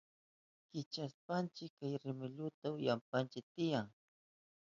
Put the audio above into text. Kichashpanchi kay rimilluta upyananchi tiyan.